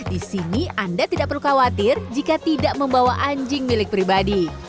di sini anda tidak perlu khawatir jika tidak membawa anjing milik pribadi